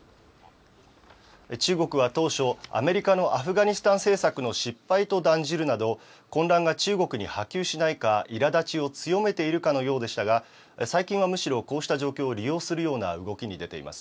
中国は当初、アメリカのアフガニスタン政策の失敗と断じるなど、混乱が中国に波及しないか、いらだちを強めているかのようでしたが、最近はむしろ、こうした状況を利用するような動きに出ています。